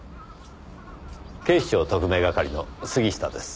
警視庁特命係の杉下です。